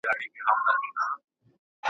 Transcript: زما ژوندون خزان بې تا دئ، نوبهاره ګوندي راسې.